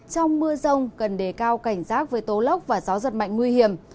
trong mưa rông cần đề cao cảnh giác với tố lốc và gió giật mạnh nguy hiểm